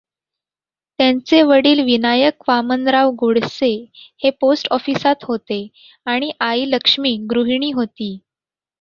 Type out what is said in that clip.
त्यांचे वडील विनायक वामनराव गोडसे हे पोस्ट ऑफिसात होते आणि आई लक्ष्मी गृहिणी होती.